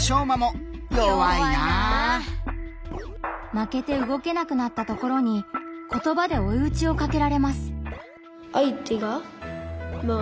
負けてうごけなくなったところに言葉でおいうちをかけられます。